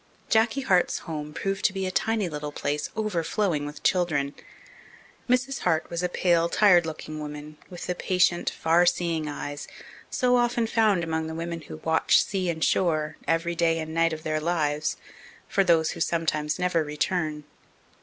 Jacky Hart's home proved to be a tiny little place overflowing with children. Mrs. Hart was a pale, tired looking woman with the patient, farseeing eyes so often found among the women who watch sea and shore every day and night of their lives for those who sometimes never return.